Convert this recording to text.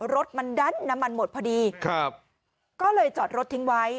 รถมันดันน้ำมันหมดพอดีครับก็เลยจอดรถทิ้งไว้